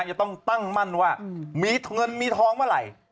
จะต้องตั้งมั่นว่ามีเงินมีทองเมื่อไหร่